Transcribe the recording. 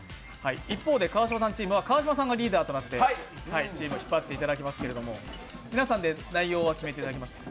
一方で川島さんチームは川島さんがリーダーとなってチームを引っ張っていただきますけど皆さんで内容は決めていただきましたね。